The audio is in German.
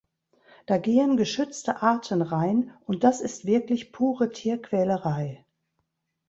Da gehen geschützte Arten rein, und das ist wirklich pure Tierquälerei.